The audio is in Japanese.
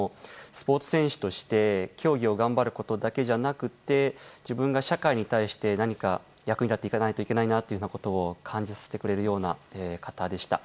スポーツ選手として競技を頑張ることだけじゃなくて自分が社会に対して何か役に立っていかないといけないということを感じさせてくれるような方でした。